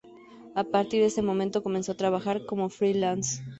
A partir de ese momento comenzó a trabajar como freelance.